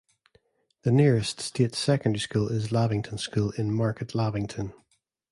The nearest state secondary school is Lavington School in Market Lavington.